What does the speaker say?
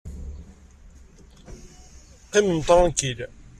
Qqimem ṭṛankil!